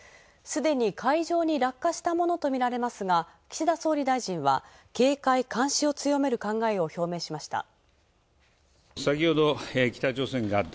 すでに海上に落下したものとみられますが岸田総理大臣は、警戒監視を強める考えを表明した。